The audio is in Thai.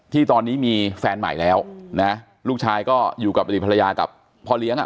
ที่ตอนนี้มีแฟนใหม่แล้วนะลูกชายก็อยู่กับอดีตภรรยากับพ่อเลี้ยงอ่ะ